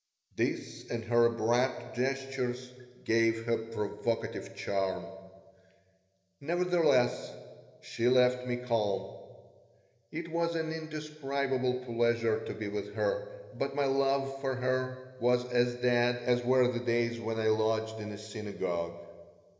This and her abrupt gestures gave her provocative charm Nevertheless, she left me calm. It was an indescribable pleasure to be with her, but my love for her was as dead as were the days when I lodged in a synagogue.